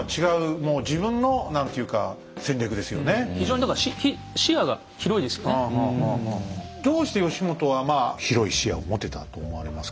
やっぱりでもどうして義元は広い視野を持てたと思われますか？